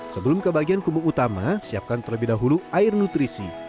sebelum ke bagian kumbung utama siapkan terlebih dahulu air nutrisi